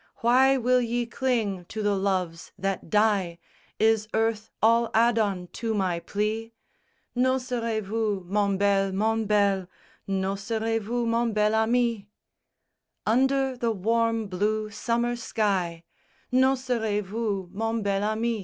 Why will ye cling to the loves that die? Is earth all Adon to my plea? N'oserez vous, mon bel, mon bel, N'oserez vous, mon bel ami? VI Under the warm blue summer sky, _N'oserez vous, mon bel ami?